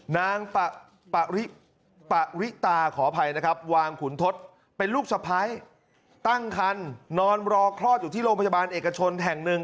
นางปะหริตาขออภัยวางขุนทศเป็นลูกสะพ้ายตั้งครรภ์นอนรอคลอดอยู่ที่โรงพยาบาลเอกชนแถ่ง๑